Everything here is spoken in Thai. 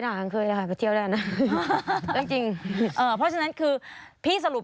นางเคยเลยค่ะไปเที่ยวแล้วนะจริงจริงเอ่อเพราะฉะนั้นคือพี่สรุป